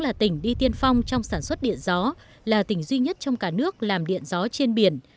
là tỉnh đi tiên phong trong sản xuất điện gió là tỉnh duy nhất trong cả nước làm điện gió trên biển